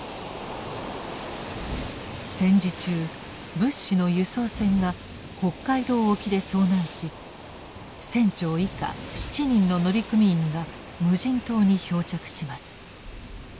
戦時中物資の輸送船が北海道沖で遭難し船長以下７人の乗組員が無人島に漂着します。